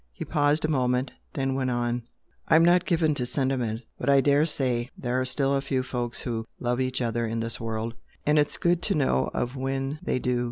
He paused a moment then went on "I'm not given to sentiment, but I dare say there are still a few folks who love each other in this world, and it's good to know of when they do.